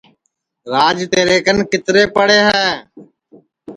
راج تیرے کن کِترے پڑے ہے